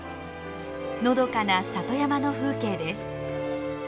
のどかな里山の風景です。